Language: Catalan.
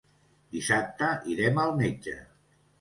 Dissabte irem al metge.